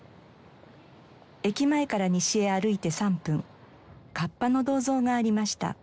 駅前から西へ歩いて３分カッパの銅像がありました。